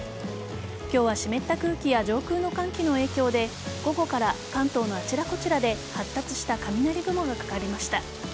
今日は湿った空気や上空の寒気の影響で午後から関東のあちらこちらで発達した雷雲がかかりました。